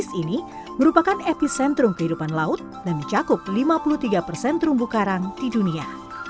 es ini merupakan epicentrum kehidupan laut dan mencakup lima puluh tiga persen terumbu karang di dunia